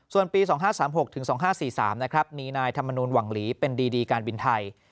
ส่วนปี๒๕๓๖ถึง๒๕๔๓นะครับมีนายธรรมนูลหวังหลีเป็นดีการบินไทย